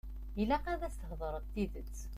Ilaq ad as-theḍṛeḍ tidet.